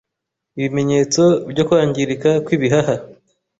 ibimenyetso byo kwangirika kw’ibihaha,